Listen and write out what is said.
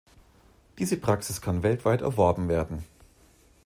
Diese Praxis kann weltweit erworben werden.